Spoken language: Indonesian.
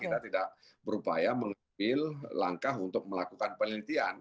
karena kita berupaya mengambil langkah untuk melakukan penelitian